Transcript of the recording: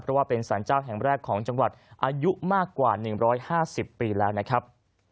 เพราะว่าเป็นสารเจ้าแห่งแรกของจังหวัดอายุมากกว่า๑๕๐ปีแล้วนะครับ